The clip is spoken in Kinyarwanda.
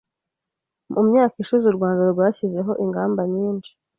Mu myaka ishize, u Rwanda rwashyizeho ingamba nyinshi